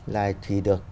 là chỉ được